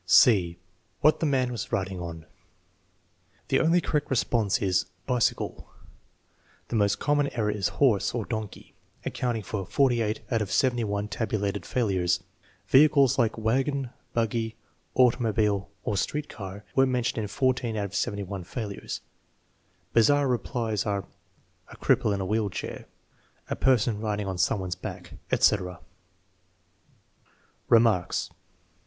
(c) What the man was riding on The only correct response is "Bicycle." The most common error is horse (or donkey), accounting for 48 out of 71 tabulated failures. Vehicles, like wagon, buggy, automobile, or street car, were mentioned in 14 out of 71 failures. Bizarre replies are: "A cripple in a wheel chair"; "A person riding on some one's back," etc. Remarks.